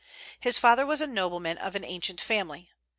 His father was a nobleman of ancient family.